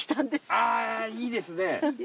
あぁいいですね。